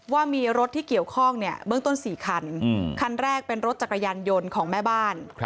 ว่ามีรถที่เกี่ยวข้องเนี่ยเบื้องต้น๔คันคันแรกเป็นรถจักรยานยนต์ของแม่บ้าน